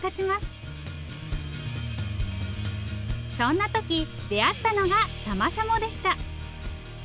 そんな時出会ったのがタマシャモでした。